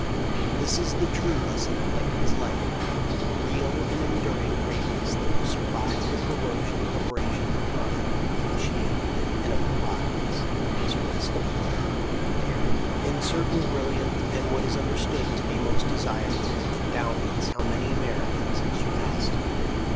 This is the true lesson of Lincoln's life : real and enduring greatness, that will survive the cor rosion and abrasion of time, of change, and of pro gress, must rest upon character. In certain brilliant and what is understood to be most desirable en dowments how many Americans have surpassed him.